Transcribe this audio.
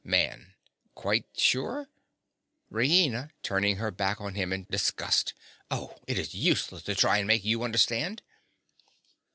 MAN. Quite sure? RAINA. (turning her back on him in disgust.) Oh, it is useless to try and make you understand.